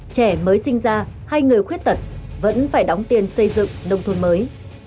trẻ mới sinh ra hay người khuyết tật vẫn phải đóng tiền xây dựng nông thôn mới